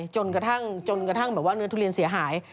จนกระทั่งจนกระทั่งแบบว่าเนื้อทุเรียนเสียหาย